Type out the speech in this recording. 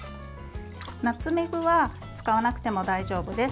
ナツメグは使わなくても大丈夫です。